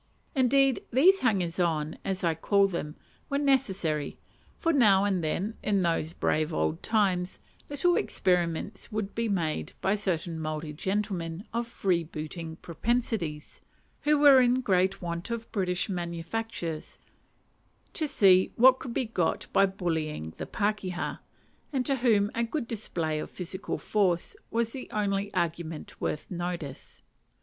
Indeed these hangers on, as I call them, were necessary; for now and then, in those brave old times, little experiments would be made by certain Maori gentlemen of freebooting propensities, who were in great want of "British manufactures," to see what could be got by bullying "the pakeha," and to whom a good display of physical force was the only argument worth notice.